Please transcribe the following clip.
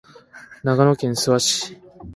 長野県諏訪市